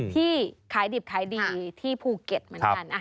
ที่ขายดิบขายดีที่ภูเก็ตเหมือนกัน